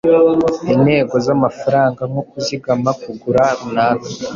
Intego zamafaranga nko kuzigama kugura runaka